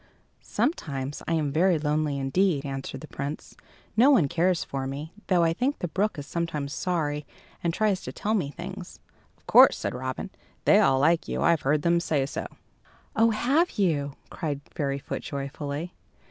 "Sometimes I am very lonely indeed," ananswered the Prince. "No one cares for me, though I think the brook is sometimes sorry, and tries to tell me things." "Of course," said Robin. "They all like you. I've heard them say so." "Oh, have you?" cried Fairyfoot, joyfully.